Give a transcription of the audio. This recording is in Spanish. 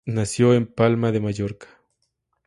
Nació en Palma de Mallorca.